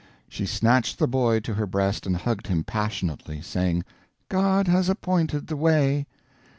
She snatched the boy to her breast and hugged him passionately, saying, "God has appointed the way!"